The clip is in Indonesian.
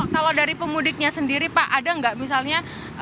kalau dari pemudiknya sendiri pak ada nggak misalnya